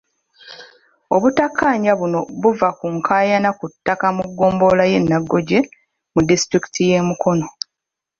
Obutakkaanya buno buva ku nkaayana ku ttaka mu ggombolola y'e Naggoje mu disitulikiti y'e Mukono.